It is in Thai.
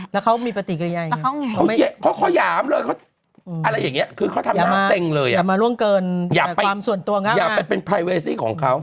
แล้วเขามีปฏิกิริยะอย่างงี้